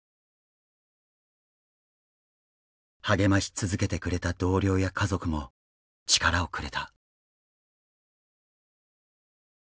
励まし続けてくれた同僚や家族も力をくれた。